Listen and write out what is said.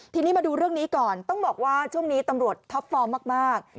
ทีนี้มาดูเรื่องนี้ก่อนต้องบอกว่าช่วงนี้ตำรวจท็อปฟอร์มมาก